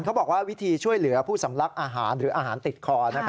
เขาบอกว่าวิธีช่วยเหลือผู้สำลักอาหารหรืออาหารติดคอ